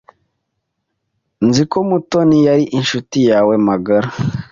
Nzi ko Mutoni yari inshuti yawe magara.